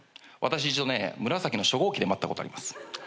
私一度ね紫の初号機で待ったことあります。